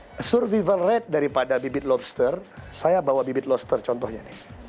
jadi survival rate daripada bibit lobster saya bawa bibit lobster contohnya nih